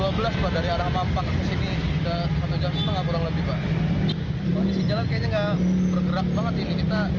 kalau sih ternyata waktu ini memadat lagi